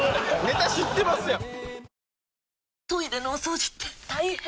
ネタ知ってますやん。